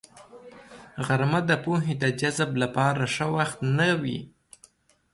غرمه د پوهې د جذب لپاره ښه وخت نه وي